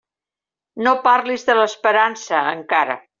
No parlis de l'esperança, encara.